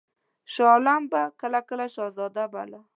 شاه عالم به یې کله کله شهزاده باله.